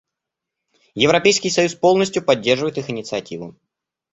Европейский союз полностью поддерживает их инициативу.